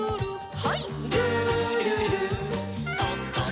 はい。